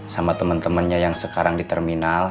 sama temen temennya yang sekarang di terminal